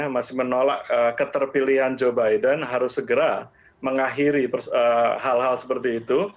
masih menolak keterpilihan joe biden harus segera mengakhiri hal hal seperti itu